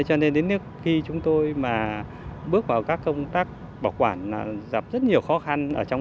cho nên chúng tôi đã cộng tác với nhau và trao đổi và nghiên cứu